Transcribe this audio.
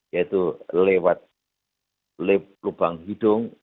yaitu lewat lubang hidung